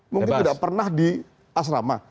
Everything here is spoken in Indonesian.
mungkin tidak pernah di asrama